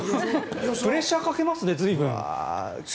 プレッシャーかけますね随分。